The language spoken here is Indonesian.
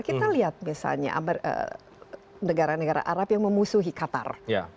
kita lihat misalnya negara negara arab yang memusuhi qatar